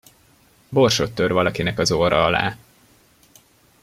Borsot tör valakinek az orra alá.